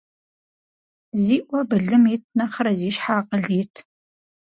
Зи Ӏуэ былым ит нэхърэ зи щхьэ акъыл ит.